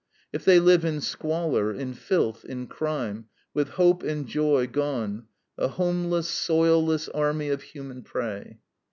If they live in squalor, in filth, in crime, with hope and joy gone, a homeless, soilless army of human prey.